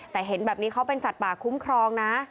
แต่เห็นแบบนี้เขาเป็นสัตว์ป่าคุ้มครองนะ